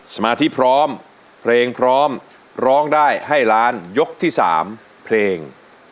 สมาธิพร้อมเพลงพร้อมร้องได้ให้ล้านยกที่๓เพลง